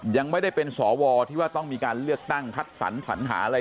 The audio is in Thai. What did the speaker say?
ยังไม่ได้เป็นสวที่ว่าต้องมีการเลือกตั้งคัดสรรสัญหาอะไร